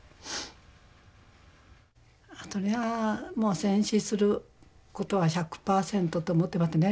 そりゃあもう戦死することは１００％と思ってますね。